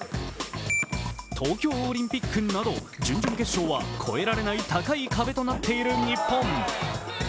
東京オリンピックなど準々決勝は越えられない高い壁となっている日本。